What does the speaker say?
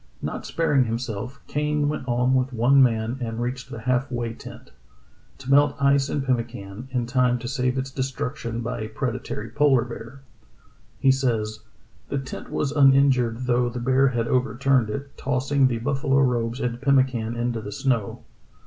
Not sparing himself, Kane went on with one man and reached the half way tent, to melt ice and pemmican, in time to save its destruction by a predatory polar bear. He says: "The tent was uninjured though the bear had overturned it, tossing the buffalo robes and pemmican into the snow.